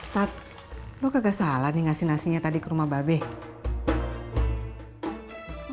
tat lo kagak salah nih ngasih nasinya tadi ke rumah babes